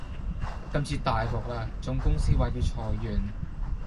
今次大獲啦！總公司話要裁員